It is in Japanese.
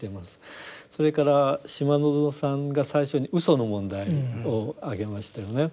それから島薗さんが最初に嘘の問題を挙げましたよね。